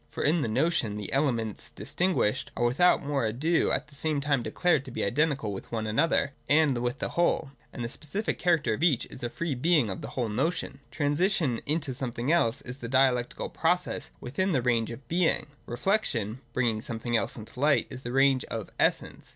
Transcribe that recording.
For in the notion, the l6r.] DEVELOPMENT. 289 elements distinguished are without more ado at the same time declared to be identical with one another and with the whole, and the specific character of each is a free being of the whole notion. Transition into something else is the dialectical process within the range of Being : reflection (bringing something else into light), in the range of Essence.